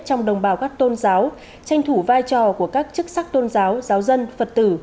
trong đồng bào các tôn giáo tranh thủ vai trò của các chức sắc tôn giáo giáo dân phật tử